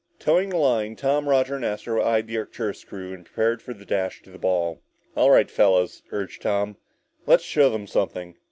Toeing the line, Tom, Roger and Astro eyed the Arcturus crew and prepared for the dash to the ball. "All right, fellas," urged Tom, "let's show them something!"